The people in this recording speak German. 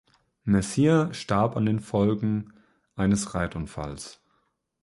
Messier starb an den Folgen eines Reitunfalls.